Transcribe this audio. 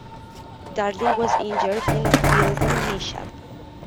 Darling was injured in a fielding mishap.